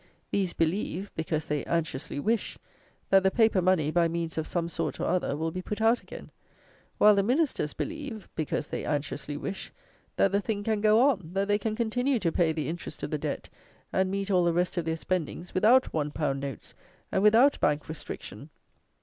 These believe (because they anxiously wish) that the paper money, by means of some sort or other, will be put out again; while the Ministers believe (because they anxiously wish) that the thing can go on, that they can continue to pay the interest of the debt, and meet all the rest of their spendings, without one pound notes and without bank restriction.